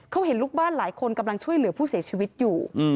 เขาเห็นลูกบ้านหลายคนกำลังช่วยเหลือผู้เสียชีวิตอยู่